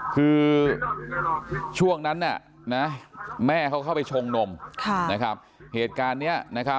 คือช่วงนั้นนะแม่เค้าเข้าไปชงนมนะครับเหตุการณ์เนี่ยนะครับ